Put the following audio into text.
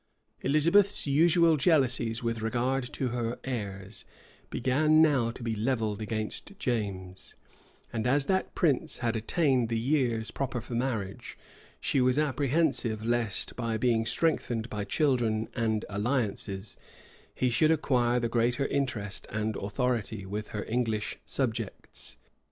Elizabeth's usual jealousies with regard to her heirs began now to be levelled against James; and as that prince had attained the years proper for marriage, she was apprehensive lest, by being strengthened by children and alliances, he should acquire the greater interest and authority with her English subjects.